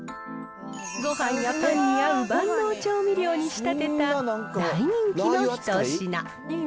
ごはんやパンに合う万能調味料に仕立てた大人気の一品。